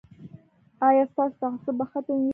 ایا ستاسو تعصب به ختم وي؟